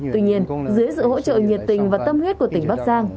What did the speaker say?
tuy nhiên dưới sự hỗ trợ nhiệt tình và tâm huyết của tỉnh bắc giang